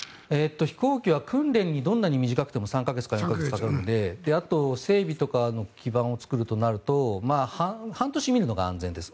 飛行機は訓練にどんなに短くても３か月から４か月かかるのであと、整備とかの基盤を作るとなると半年見るのが安全です。